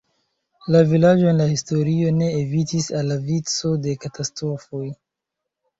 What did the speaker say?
La vilaĝo en la historio ne evitis al vico de katastrofoj.